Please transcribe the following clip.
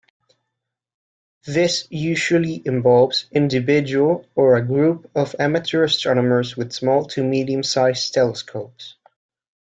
This usually involves individual or a groups of amateur astronomers with small-to-medium-sized telescopes.